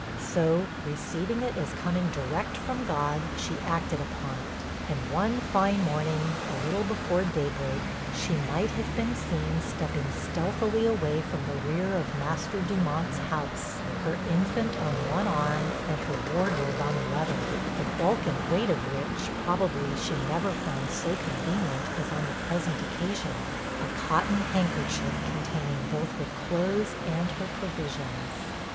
So, receiving it as coming direct from God, she acted upon it, and one fine morning, a little before day break, she might have been seen stepping stealthily away from the rear of Master Dumont's house, her infant on one arm and her wardrobe on the other; the bulk and weight of which, probably, she never found so convenient as on the present occasion, a cotton handkerchief containing both her clothes and her provisions.